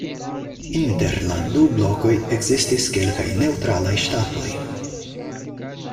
Inter la du blokoj ekzistis kelkaj neŭtralaj ŝtatoj.